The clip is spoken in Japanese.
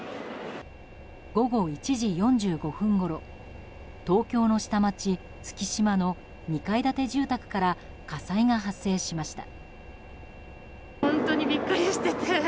午後１時４５分ごろ東京の下町、月島の２階建て住宅から火災が発生しました。